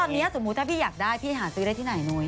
แล้วตอนนี้ถ้าพี่อยากได้พี่หาซื้อได้ที่ไหนโน๊ย